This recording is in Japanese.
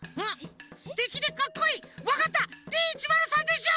すてきでかっこいいわかったＤ１０３でしょ！